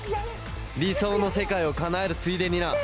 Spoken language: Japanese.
理想の世界をかなえるついでにな。